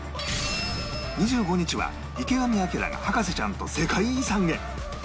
２５日は池上彰が博士ちゃんと世界遺産へ